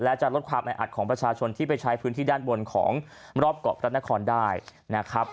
และจะลดความแออัดของประชาชนที่ไปใช้พื้นที่ด้านบนของรอบเกาะพระนครได้นะครับ